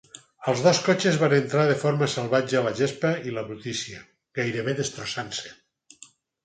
Els dos cotxes van entrar de forma salvatge a la gespa i la brutícia, gairebé destrossant-se.